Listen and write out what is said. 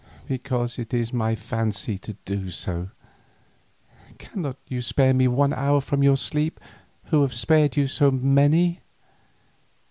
"Because it is my fancy to do so. Cannot you spare me one hour from your sleep, who have spared you so many?